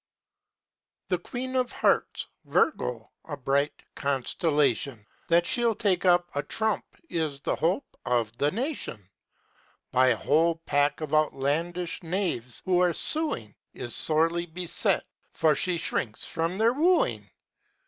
The Queen of Hearts, VIRGO, a bright constellation, (That she'll turn up a trump is the hope of the nation), By a whole pack of outlandish knaves who are suing, Is sorely beset, for she shrinks from their wooing.